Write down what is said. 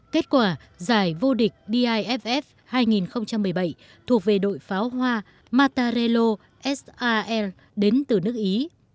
kết quả giải vô địch diff hai nghìn một mươi bảy thuộc về đội pháo hoa matarello s a l đến từ nước ý